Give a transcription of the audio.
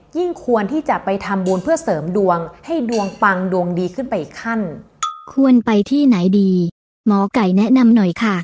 ยิ่งควรที่จะไปทำบูญเพื่อเสริมดวงให้ดวงปังดวงดีขึ้นไปอีกขั้น